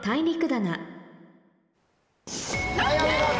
はいお見事！